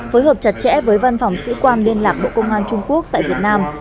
phối hợp chặt chẽ với văn phòng sĩ quan liên lạc bộ công an trung quốc tại việt nam